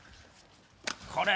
これ。